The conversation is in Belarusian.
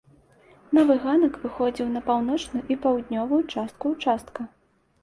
Новы ганак выходзіў на паўночную і паўднёвую частку ўчастка.